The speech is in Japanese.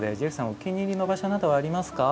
お気に入りの場所などはありますか？